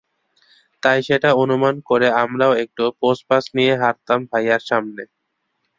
তাই সেটা অনুমান করে আমরাও একটু পোজপাজ নিয়ে হাঁটতাম ভাইয়ার সামনে।